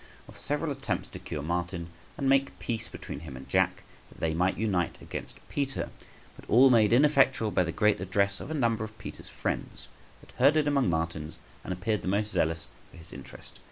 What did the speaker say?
Of several attempts to cure Martin, and make peace between him and Jack, that they might unite against Peter; but all made ineffectual by the great address of a number of Peter's friends, that herded among Martin's, and appeared the most zealous for his interest.